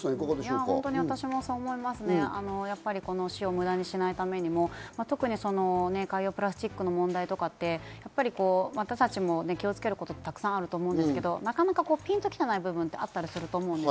この死を無駄にしないためにも特に海洋プラスチックの問題とかって、私たちも気をつけることがたくさんあると思うんですが、なかなかピンと来ていないところもあると思うんです。